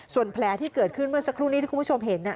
ส่วนแผลที่เกิดขึ้นเมื่อสักครู่นี้ที่คุณผู้ชมเห็น